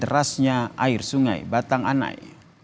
derasnya air sungai batang anai